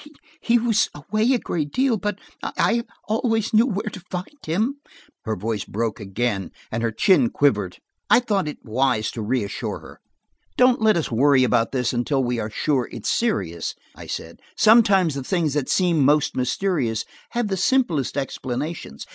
He was away a great deal, but I always knew where to find him." Her voice broke again and her chin quivered. I thought it wise to reassure her. "Don't let us worry about this until we are sure it is serious," I said. "Sometimes the things that seem most mysterious have the simplest explanations.